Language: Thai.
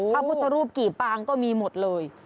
ภพธรูปกี่ป่างก็มีหมดเลย